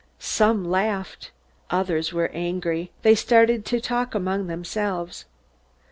Some laughed. Others were angry. They started to talk among themselves.